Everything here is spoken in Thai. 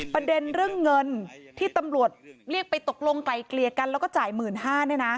ประเด็นเรื่องเงินที่ตำรวจเรียกไปตกลงไกลเกลี่ยกันแล้วก็จ่าย๑๕๐๐เนี่ยนะ